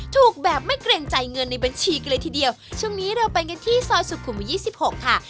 ถูกแบบไม่เกรงใจเงินในบัญชีกันเลยทีเดียวช่วงนี้เราไปกันที่ซอยสุขุมยี่สิบหกค่ะ